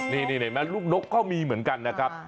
นี่ไงลูกนกเขามีเหมือนกันนะครับ